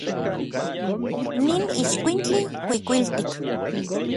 Nin itskuintli kuikuiltik.